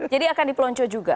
jadi akan dipelonco juga